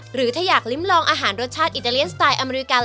หรือถ้าอยากลิ้มลองอาหารรสชาติอิตาเลียนสไตล์อเมริกา